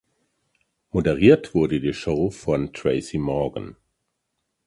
Moderiert wurde die Show von Tracy Morgan.